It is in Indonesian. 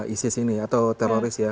isis ini atau teroris ya